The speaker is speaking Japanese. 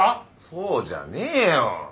そうじゃねえよ！